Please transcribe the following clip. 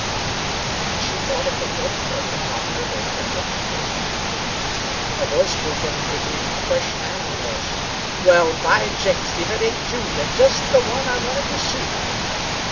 And then she thought of the drug clerk in Rock River who had looked at her A voice broke in on her dream, a fresh, manly voice. "Well, by jinks! if it ain't Julia! Just the one I wanted to see!"